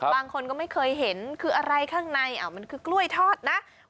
บางคนก็ไม่เคยเห็นคืออะไรข้างในมันคือกล้วยทอดนะ